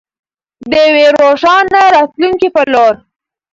د یوې روښانه راتلونکې په لور.